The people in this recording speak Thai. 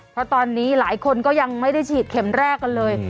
เพราะตอนนี้หลายคนก็ยังไม่ได้ฉีดเข็มแรกกันเลย